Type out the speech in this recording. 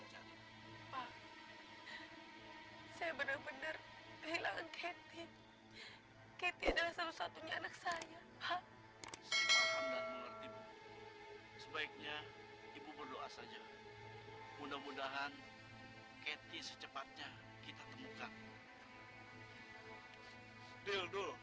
pak bu kami belum bisa menemukan kathy dan denno bu